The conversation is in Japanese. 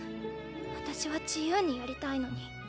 私は自由にやりたいのに。